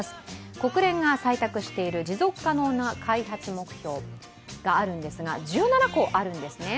国連が採択している持続可能な開発目標があるんですが１７個あるんですね。